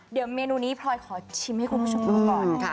เดี๋ยวเมนูนี้พลอยขอชิมให้คุณผู้ชมดูก่อนนะคะ